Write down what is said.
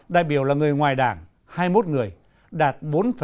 đại biểu là người ngoài đảng hai mươi một người đạt bốn năm